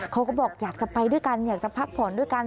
เขาก็บอกอยากจะไปด้วยกันอยากจะพักผ่อนด้วยกัน